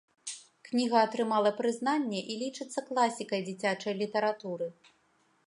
Кніга атрымала прызнанне і лічыцца класікай дзіцячай літаратуры.